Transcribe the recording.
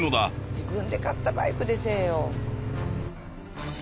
自分で買ったバイクでせえよ。